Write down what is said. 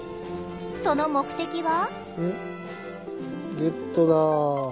その目的は。